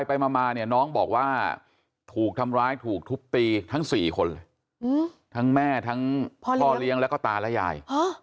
ไปมาเนี่ยน้องบอกว่าถูกทำร้ายถูกทุบตีทั้ง๔คนเลยทั้งแม่ทั้งพ่อเลี้ยงแล้วก็ตาและยาย